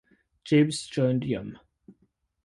Gibbs joined Yum!